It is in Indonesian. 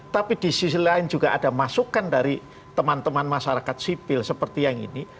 tapi di sisi lain juga ada masukan dari teman teman masyarakat sipil seperti yang ini